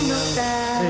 selamat siang dokter